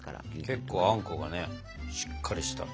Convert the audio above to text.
結構あんこがしっかりした。